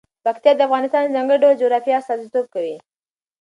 پکتیا د افغانستان د ځانګړي ډول جغرافیه استازیتوب کوي.